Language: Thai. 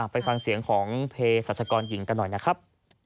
ไปฟังเสียงของเพศรัชกรหญิงกันหน่อยนะครับ